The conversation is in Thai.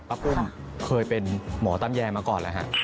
ปุ้มเคยเป็นหมอตำแยมาก่อนแล้วฮะ